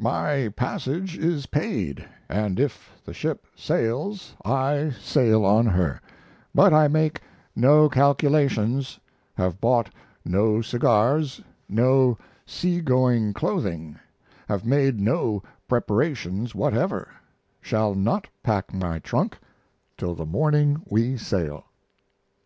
My passage is paid, and if the ship sails I sail on her; but I make no calculations, have bought no cigars, no sea going clothing have made no preparations whatever shall not pack my trunk till the morning we sail.